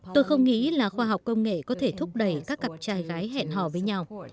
tôi không nghĩ là khoa học công nghệ có thể thúc đẩy các cặp trai gái hẹn hò với nhau